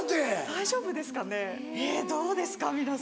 大丈夫ですかねどうですか皆さん。